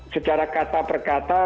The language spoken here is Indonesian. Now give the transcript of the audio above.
secara kata per kata